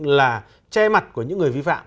là che mặt của những người vi phạm